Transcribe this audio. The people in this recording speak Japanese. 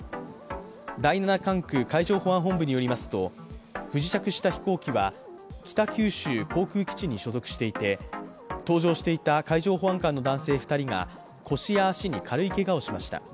第七管区海上保安本部によりますと不時着した飛行機は北九州航空基地に所属していて搭乗していた海上保安官の男性２人が腰や足に軽いけがをしました。